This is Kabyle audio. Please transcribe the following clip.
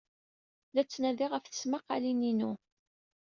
La ttnadiɣ ɣef tesmaqalin-inu.